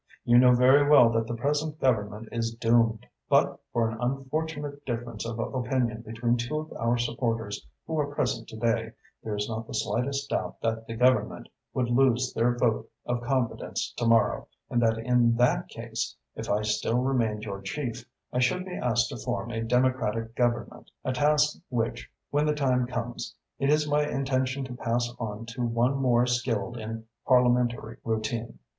You know very well that the present Government is doomed. But for an unfortunate difference of opinion between two of our supporters who are present to day, there is not the slightest doubt that the Government would lose their vote of confidence to morrow, and that in that case, if I still remained your chief, I should be asked to form a Democratic Government, a task which, when the time comes, it is my intention to pass on to one more skilled in Parliamentary routine.